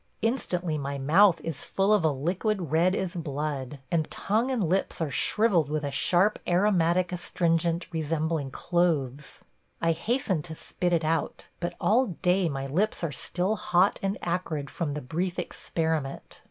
Instantly my mouth is full of a liquid red as blood, and tongue and lips are shrivelled with a sharp aromatic astringent resembling cloves. I hasten to spit it out, but all day my lips are still hot and acrid from the brief experiment.